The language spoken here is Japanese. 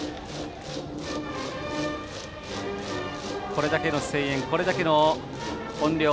これだけの声援、これだけの音量